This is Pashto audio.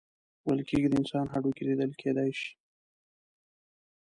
ویل کیږي د انسان هډوکي لیدل کیدی شي.